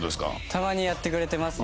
たまにやってくれてますね。